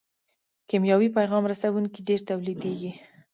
کیمیاوي پیغام رسوونکي ډېر تولیدیږي.